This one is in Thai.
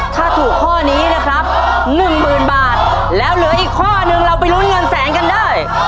ถ้าถูกข้อนี้นะครับหนึ่งหมื่นบาทแล้วเหลืออีกข้อนึงเราไปลุ้นเงินแสนกันได้